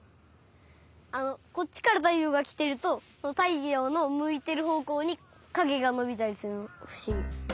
あのこっちからたいようがきてるとたいようのむいてるほうこうにかげがのびたりするのふしぎ。